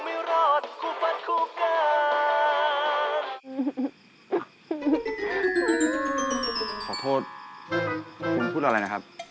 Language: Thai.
เมื่อกี้ที่ฉันพูดไปทั้งหมด